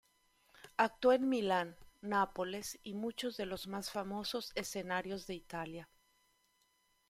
Actuó en Milán, Nápoles y muchos de los más famosos escenarios de Italia.